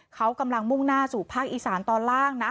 เขากำลังมุ่งหน้าสู่ภาคอีสานตอนล่างนะ